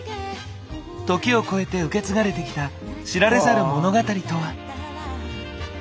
時をこえて受け継がれてきた知られざる物語とは。